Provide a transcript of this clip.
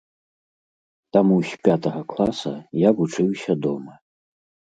Таму з пятага класа я вучыўся дома.